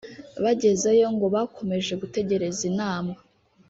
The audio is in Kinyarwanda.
Bageze yo ngo bakomeje gutegereza inama